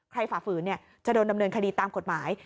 ฝ่าฝืนจะโดนดำเนินคดีตามกฎหมาย